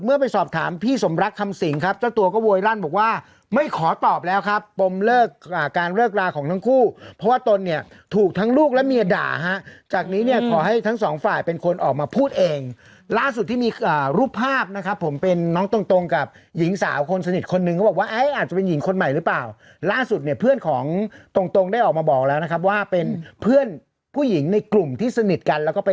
เมื่อไปสอบถามพี่สมรักคำสิงครับเจ้าตัวก็โวยรั่นบอกว่าไม่ขอตอบแล้วครับปมเลิกอ่าการเลิกลาของทั้งคู่เพราะว่าตนเนี่ยถูกทั้งลูกและเมียด่าฮะจากนี้เนี่ยขอให้ทั้งสองฝ่ายเป็นคนออกมาพูดเองล่าสุดที่มีอ่ารูปภาพนะครับผมเป็นน้องตรงตรงกับหญิงสาวคนสนิทคนนึงเขาบอกว่าไอ้อาจจะเป็นหญิงคนให